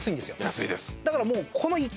だからもうこの。